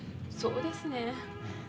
そうですねん。